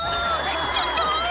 ちょっと！」